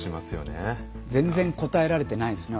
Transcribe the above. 全然答えられてないですね